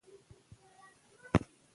زه مسافر یم.